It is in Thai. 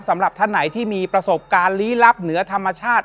สำหรับท่านไหนที่มีประสบการณ์ลี้ลับเหนือธรรมชาติ